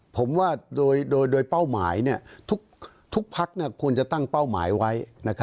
ผมว่าโดยเป้าหมายทุกพักควรจะตั้งเป้าหมายไว้